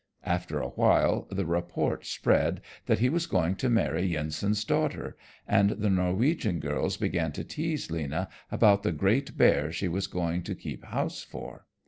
After a while the report spread that he was going to marry Yensen's daughter, and the Norwegian girls began to tease Lena about the great bear she was going to keep house for.